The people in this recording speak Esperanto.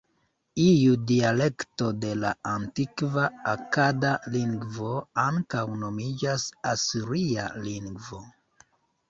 Iu dialekto de la antikva akada lingvo ankaŭ nomiĝas Asiria lingvo.